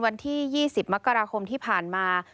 วันที่๒๐มกราคมที่ผ่านมา